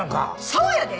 そうやで！